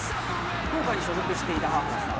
福岡に所属していたハーフナーさん